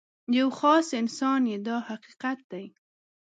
یو خاص انسان یې دا حقیقت دی.